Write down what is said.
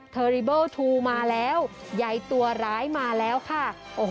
เทอร์รีเบิลทูลมาแล้วใยตัวร้ายมาแล้วค่ะ